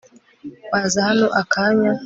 waza hano akanya